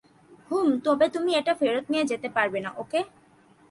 হুম, তবে তুমি এটা ফেরত নিয়ে যেতে পারবে না, ওকে?